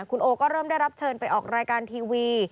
คุณโอก็เริ่มได้รับเชิญไปออกรายการทีวี